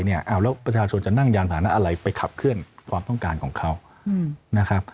แล้วประชาชนจะนั่งยานผ่านะอะไรไปขับเคลื่อนความต้องการของเขานะครับ